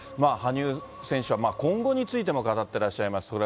羽生選手は、今後についても語ってらっしゃいます。